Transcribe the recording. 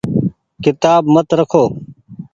ڪيتآب مت رکو۔